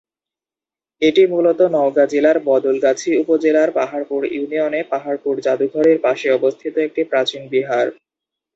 এটি মূলত নওগাঁ জেলার বদলগাছী উপজেলার পাহাড়পুর ইউনিয়নে পাহাড়পুর যাদুঘরের পাশে অবস্থিত একটি প্রাচীন বিহার।